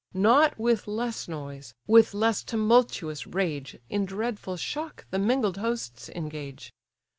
Not with less noise, with less tumultuous rage, In dreadful shock the mingled hosts engage.